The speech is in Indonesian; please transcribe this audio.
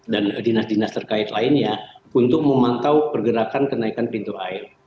dan dinas dinas terkait lainnya untuk memantau pergerakan kenaikan pintu air